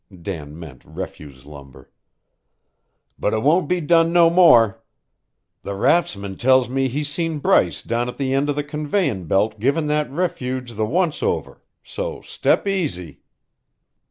(Dan meant refuse lumber.) "But it won't be done no more. The raftsman tells me he seen Bryce down at the end o' the conveyin' belt givin' that refuge the once over so step easy."